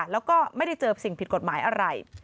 แล้วก็ไม่ได้เจอสิ่งผิดกฎหมายอะไร